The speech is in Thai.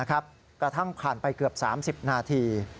กระทั่งผ่านไปเกือบ๓๐นาที